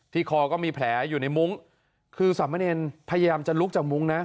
คอก็มีแผลอยู่ในมุ้งคือสามเณรพยายามจะลุกจากมุ้งนะ